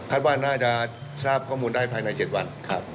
คัดว่าน่าจะทราบข้อมูลได้ภายใน๗วัน